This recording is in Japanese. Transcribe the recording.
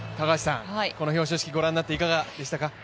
この表彰式ご覧になっていかがでしたか？